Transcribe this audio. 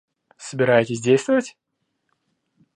Собираетесь действовать?